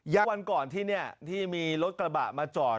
วันก่อนที่นี่ที่มีรถกระบะมาจอด